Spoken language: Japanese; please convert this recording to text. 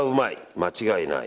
間違いない。